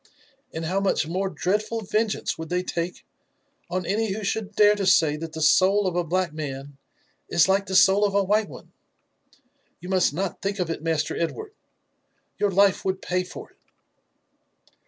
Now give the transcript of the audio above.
And how much more dreadful vengeance would they take on any who should dare to say that the soul of a black man is like the soul of a white one !— You must got think of it, Master Edward, — your life would pay for it."